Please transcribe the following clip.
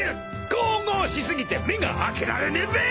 神々しすぎて目が開けられねえべ］